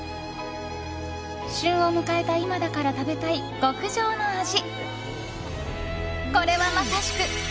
旬を迎えた今だから食べたい極上の味。